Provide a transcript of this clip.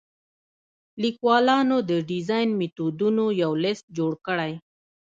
لیکوالانو د ډیزاین میتودونو یو لیست جوړ کړی.